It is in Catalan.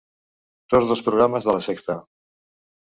Tots dos programes de La Sexta.